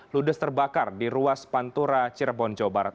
ludes terbakar di ruas pantura cirebon jawa barat